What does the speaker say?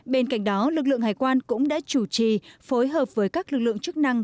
bên cạnh đó lực lượng hải quan cũng đã chủ trì phối hợp với các lực lượng chức năng